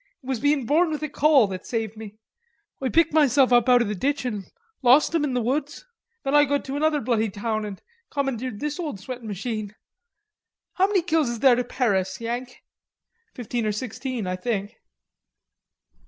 It was bein' born with a caul that saved me.... Oi picked myself up outer the ditch an lost 'em in the woods. Then Oi got to another bloody town and commandeered this old sweatin' machine.... How many kills is there to Paris, Yank?" "Fifteen or sixteen, I think."